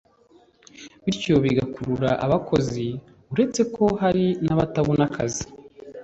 bityo bigakurura abakozi (uretse ko hari n’abatabona akazi